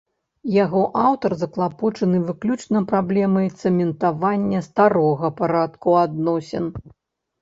Яго аўтар заклапочаны выключна праблемай цэментавання старога парадку адносін.